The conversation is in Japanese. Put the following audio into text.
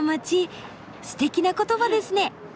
すてきな言葉ですね。